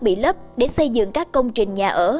bị lấp để xây dựng các công trình nhà ở